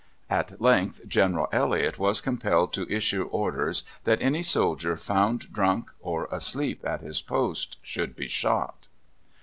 At length General Elliot was compelled to issue orders that any soldier found drunk or asleep at his post should be shot.